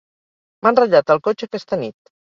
M'han ratllat el cotxe aquesta nit.